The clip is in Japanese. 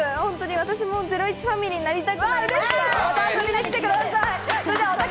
私も『ゼロイチ』ファミリーになりたくなりました。